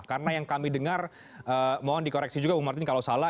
karena yang kami dengar mohon dikoreksi juga bung martin kalau salah